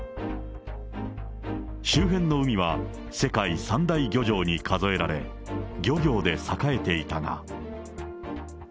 周辺の海は世界三大漁場に数えられ、漁業で栄えていたが。